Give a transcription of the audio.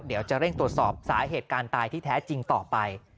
เดี๋ยวจะเร่งตรวจสอบสาเหตุการตายที่แท้จริงต่อไป